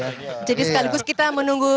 jadi sekaligus kita menunggu